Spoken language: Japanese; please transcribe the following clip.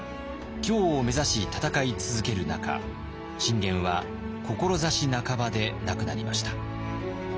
京を目指し戦い続ける中信玄は志半ばで亡くなりました。